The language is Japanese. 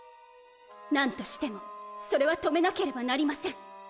なんとしてもそれは止めなければなりません。